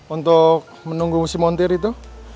untuk menunggu musim montir itu